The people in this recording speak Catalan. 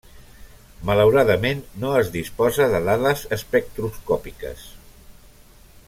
Malauradament no es disposa de dades espectroscòpiques.